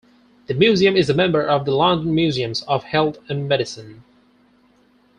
The museum is a member of The London Museums of Health and Medicine.